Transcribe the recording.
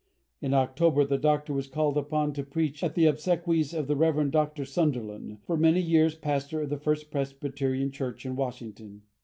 In October the Doctor was called upon to preach at the obsequies of the Rev. Dr. Sunderland, for many years pastor of the First Presbyterian Church in Washington.